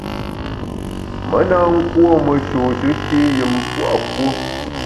Me na nkuôme nshôshe fii yùm pua’ puo.